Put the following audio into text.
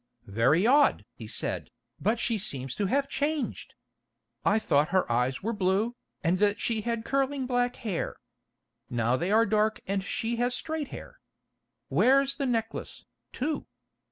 "Very odd!" he said, "but she seems to have changed! I thought her eyes were blue, and that she had curling black hair. Now they are dark and she has straight hair. Where's the necklace, too?